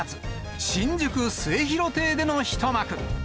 新宿末廣亭での一幕。